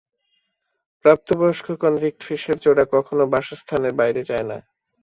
প্রাপ্ত বয়স্ক কনভিক্ট ফিশের জোড়া কখনও বাসস্থানের বাইরে যায় না।